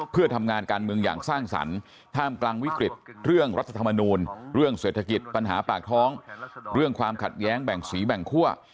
เพื่อทำงานการเมืองอย่างสร้างสรรค์ท่ามกลางวิกฤตเรื่องรัฐธรรมนูลเรื่องเศรษฐกิจปัญหาปากท้องเรื่องความขัดแย้งแบ่งสีแบ่งคั่ว